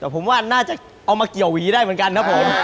ผมว่าน่าจะเอามาแกี่ยวห๐๐